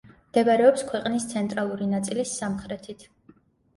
მდებარეობს ქვეყნის ცენტრალური ნაწილის სამხრეთით.